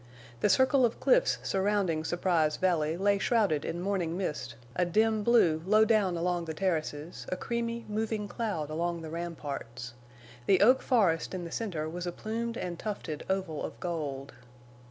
The circle of cliffs surrounding Surprise Valley lay shrouded in morning mist, a dim blue low down along the terraces, a creamy, moving cloud along the ramparts. The oak forest in the center was a plumed and tufted oval of gold.